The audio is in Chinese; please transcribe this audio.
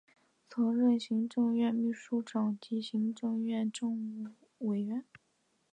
曾任行政院秘书长及行政院政务委员。